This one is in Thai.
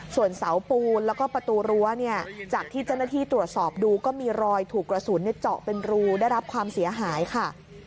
ส่วนเสาปูนแล้วก็ประตูรั้วเนี่ยจากที่เจ้าหน้าที่ตรวจสอบดูก็มีรอยถูกกระสุนเจาะเป็นรูได้รับความเสียหายค่ะ